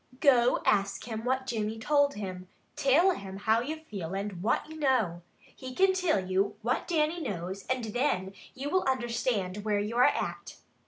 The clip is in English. Go ask him what Jimmy told him. Till him how you feel and what you know. He can till you what Dannie knows and thin you will understand where you are at."